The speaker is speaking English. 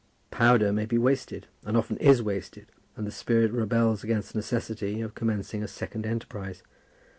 Powder may be wasted, and often is wasted, and the spirit rebels against the necessity of commencing a second enterprise.